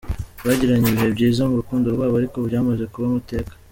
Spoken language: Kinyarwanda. Bagiranye ibihe byiza mu rukundo rwabo, ariko byamaze kuba amateka.